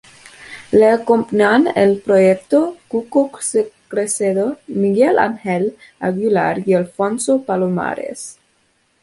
Le acompañan en el proyecto Cuco Cerecedo, Miguel Ángel Aguilar y Alfonso Palomares.